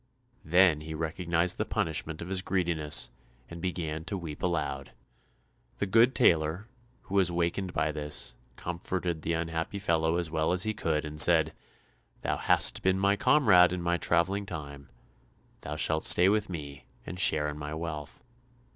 Then he recognized the punishment of his greediness, and began to weep aloud. The good tailor, who was wakened by this, comforted the unhappy fellow as well as he could, and said, "Thou hast been my comrade in my travelling time; thou shalt stay with me and share in my wealth."